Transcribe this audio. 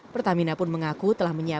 pertamina ini juga mengaku selama masa mudik